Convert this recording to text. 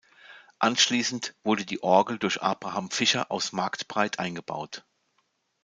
Anschließend wurde die Orgel durch Abraham Fischer aus Marktbreit eingebaut.